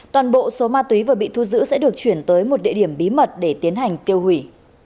toàn bộ số ma túy vừa bị thu giữ sẽ được chuyển tới một địa điểm bí mật để tiến hành tiêu hủy